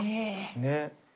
ねっ。